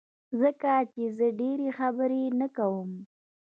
ځکه چي زه ډيری خبری نه کوم